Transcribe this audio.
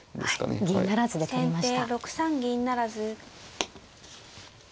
はい銀不成で取りました。